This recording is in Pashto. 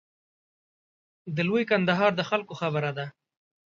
د لوی کندهار د خلکو خبره ده.